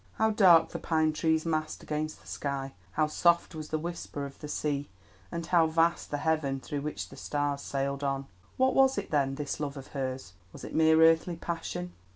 How dark the pine trees massed against the sky; how soft was the whisper of the sea, and how vast the heaven through which the stars sailed on. What was it, then, this love of hers? Was it mere earthly passion?